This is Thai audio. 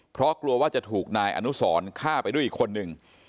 เพราะกลัวว่าจะถูกนายอนุสรฆ่าไปด้วยอีกคนนึง